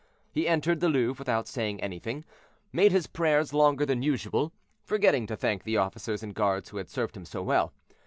He entered the Louvre without saying anything, made his prayers longer than usual, forgetting to thank the officers and guards who had served him so well.